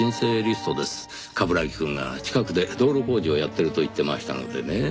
冠城くんが近くで道路工事をやってると言ってましたのでねぇ。